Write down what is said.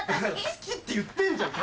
好きって言ってんじゃん。